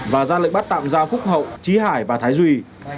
và ra lệnh bắt tạm ra phúc hậu trí hải và thái duy